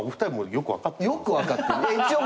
よく分かってる。